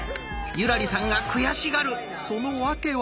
優良梨さんが悔しがるその訳は？